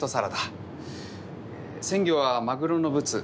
鮮魚はマグロのブツ。